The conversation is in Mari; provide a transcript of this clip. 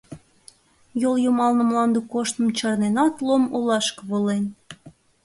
Йол йымалне мланде коштмым чарненат, Лом олашке волен.